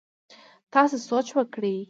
تاسي سوچ وکړئ!